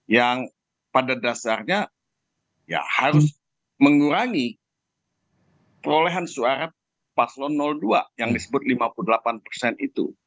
yang pada dasarnya ya harus mengurangi perolehan suara paslon dua yang disebut lima puluh delapan persen itu